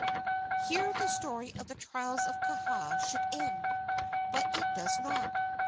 Here the story of the trials of Kaha should end; but it does not.